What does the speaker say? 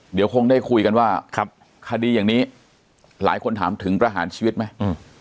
เดี๋ยวคงได้คุยกันว่าคดีอย่างนี้หลายคนถามถึงประหารชีวิตไหม